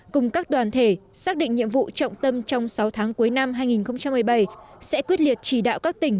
cùng các đoàn thể xác định nhiệm vụ trọng tâm trong sáu tháng cuối năm hai nghìn một mươi bảy sẽ quyết liệt chỉ đạo các tỉnh